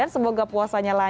cans banget ya puasanya